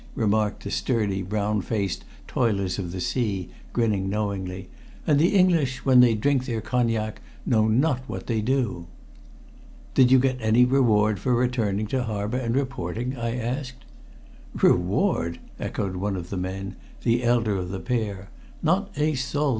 remarked the sturdy, brown faced toilers of the sea, grinning knowingly. "And the English, when they drink their cognac, know not what they do." "Did you get any reward for returning to harbor and reporting?" I asked. "Reward!" echoed one of the men, the elder of the pair. "Not a soldo!